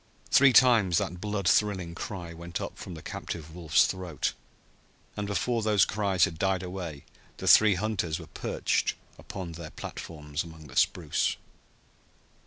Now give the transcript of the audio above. Three times that blood thrilling cry went up from the captive wolf's throat, and before those cries had died away the three hunters were perched upon their platforms among the spruce.